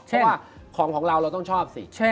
เพราะว่าของของเราเราต้องชอบสิ